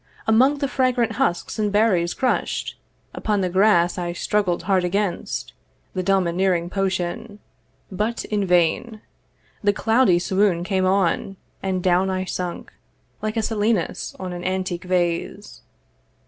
Among the fragrant husks and berries crush'd, Upon the grass I struggled hard against The domineering potion; but in vain: The cloudy swoon came on, and down I sunk Like a Silenus on an antique vase.